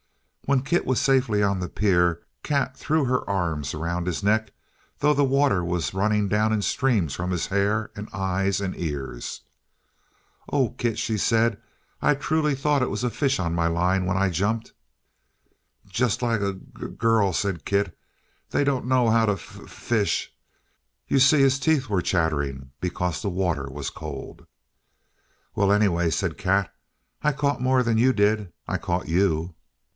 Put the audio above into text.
When Kit was safely on the pier, Kat threw her arms around his neck, though the water was running down in streams from his hair and eyes and ears. "Oh, Kit," she said, "I truly thought it was a fish on my line when I jumped!" "Just like a g g girl," said Kit. "They don't know how to f f fish!" You see his teeth were chattering, because the water was cold. "Well, anyway," said Kat, "I caught more than you did. I caught you!"